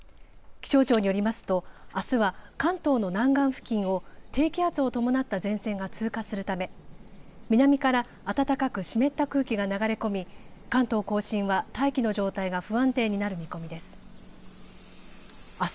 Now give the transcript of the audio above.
気象庁によりますと、あすは関東の南岸付近を低気圧を伴った前線が通過するため南から暖かく湿った空気が流れ込み関東甲信は大気の状態が不安定になる見込みです。